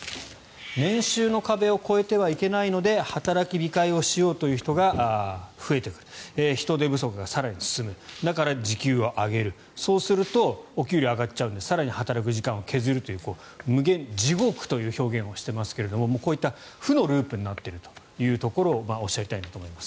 年収の壁を超えてはいけないので働き控えをしようという人が増えてくる人手不足が更に進むだから時給を上げるそうするとお給料が上がっちゃうので更に働く時間を削るという、無間地獄という表現をしていますがこういった負のループになっているというところをおっしゃりたいんだと思います。